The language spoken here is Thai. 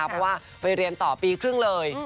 เพราะว่าไปเรียนต่อปีครึ่งเลย